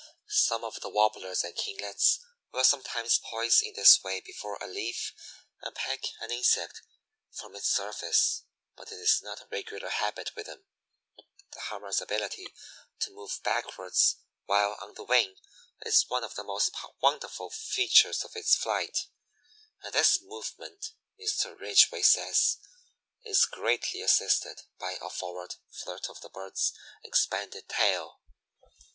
Some of the Warblers and Kinglets will sometimes poise in this way before a leaf and peck an insect from its surface, but it is not a regular habit with them. The Hummer's ability to move backwards while on the wing is one of the most wonderful features of its flight, and this movement, Mr. Ridgway says, is greatly assisted by a forward flirt of the bird's expanded tail.